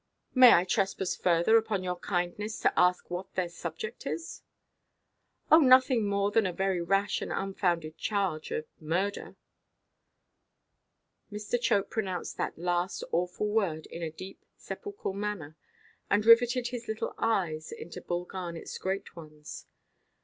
"May I trespass further upon your kindness, to ask what their subject is?" "Oh, nothing more than a very rash and unfounded charge of murder." Mr. Chope pronounced that last awful word in a deeply sepulchral manner, and riveted his little eyes into Bull Garnetʼs great ones.